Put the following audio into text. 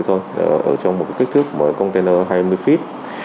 ở trong một kích thước của container hai mươi feet